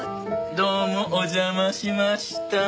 どうもお邪魔しました。